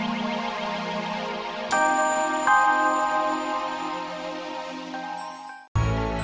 jangan lupa untuk berlangganan